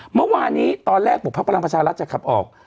เมื่อวานนี้ตอนแรกบอกพักพลังประชารัฐจะขับออก